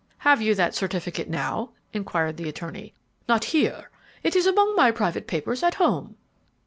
"Have you that certificate now?" inquired the attorney. "Not here; it is among my private papers at home."